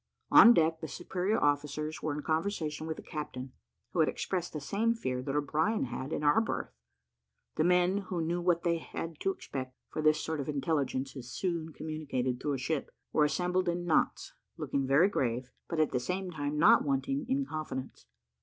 On deck the superior officers were in conversation with the captain, who had expressed the same fear that O'Brien had in our berth. The men, who knew what they had to expect for this sort of intelligence is soon communicated through a ship were assembled in knots, looking very grave, but at the same time not wanting in confidence.